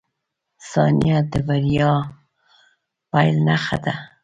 • ثانیه د بریا د پیل نښه ده.